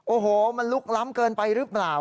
โอ้โหมันลุกล้ำเกินไปหรือเปล่า